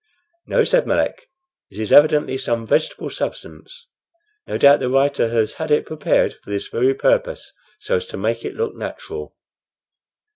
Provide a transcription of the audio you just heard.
"No," said Melick; "it is evidently some vegetable substance. No doubt the writer has had it prepared for this very purpose, so as to make it look natural."